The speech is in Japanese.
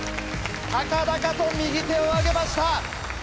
高々と右手を上げました。